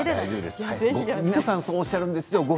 皆さんそうやっておっしゃるんですよ